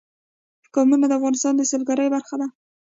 قومونه د افغانستان د سیلګرۍ برخه ده.